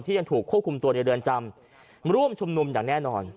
ยังถูกควบคุมตัวในเรือนจำร่วมชุมนุมอย่างแน่นอน